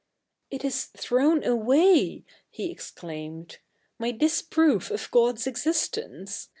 ' It is thrown away,' he exclaimed ;' my disproof ot God's existence.